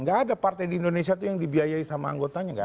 nggak ada partai di indonesia yang dibiayai sama anggotanya